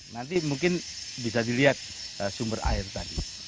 nanti mungkin bisa dilihat sumber air tadi